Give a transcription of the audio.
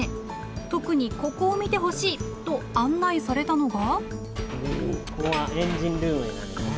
特にここを見てほしい！と案内されたのが。